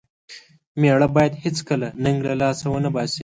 مېړه بايد هيڅکله ننګ له لاسه و نه باسي.